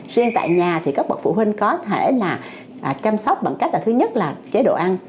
riêng tại nhà thì các bậc phụ huynh có thể là chăm sóc bằng cách là thứ nhất là chế độ ăn